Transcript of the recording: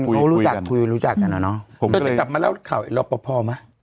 เขารู้จักคุยรู้จักกันเหรอเนอะก็จะกลับมาเล่าข่าวอีกรอบพอพอมั้ย